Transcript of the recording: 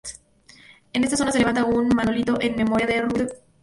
En esta zona se levanta un monolito en memoria de Rubió i Tudurí.